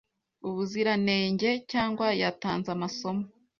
ubuziranengecyangwa yatanze amasomo